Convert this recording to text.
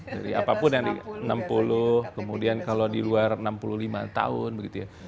dari apapun yang di enam puluh kemudian kalau di luar enam puluh lima tahun begitu ya